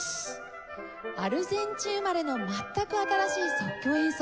アルゼンチン生まれの全く新しい即興演奏。